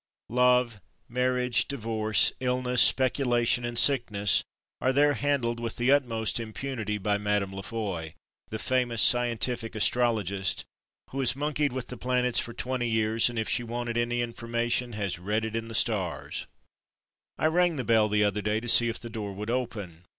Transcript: Love, marriage, divorce, illness, speculation and sickness are there handled with the utmost impunity by "Mme. La Foy, the famous scientific astrologist," who has monkeyed with the planets for twenty years, and if she wanted any information has "read it in the stars." I rang the bell the other day to see if the door would open.